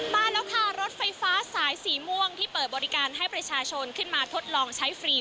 มาแล้วค่ะรถไฟฟ้าสายสีม่วงที่เปิดบริการให้ประชาชนขึ้นมาทดลองใช้ฟรี